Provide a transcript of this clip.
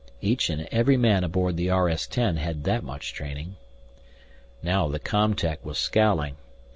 Each and every man aboard the RS 10 had that much training. Now the com tech was scowling.